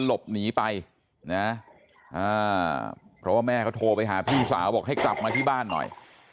หลบหนีไปนะพอแม่ก็โทรไปฟิศาสตร์วอกให้กลับมาที่บ้านหน่อย